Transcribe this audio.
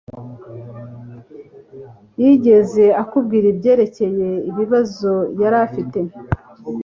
Yigeze akubwira ibyerekeye ibibazo yari afite